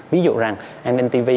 ví dụ rằng anintv